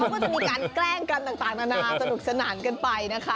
ก็จะมีการแกล้งกันต่างนานาสนุกสนานกันไปนะคะ